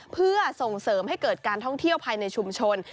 เพื่อส่งเสริมให้เกิดการท่องเที่ยวภายในชุมชน